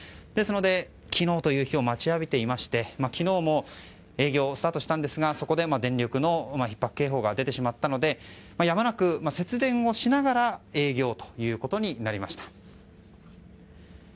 ですので昨日という日を待ちわびていて昨日も営業スタートしたんですがそこで電力のひっ迫警報が出てしまったのでやむなく節電をしながら営業ということになりました。